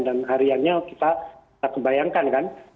dan hariannya kita terbayangkan kan